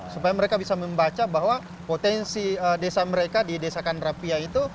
supaya mereka bisa membaca bahwa potensi desa mereka di desa kandrapia itu